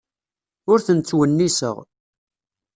Ur ten-ttwenniseɣ.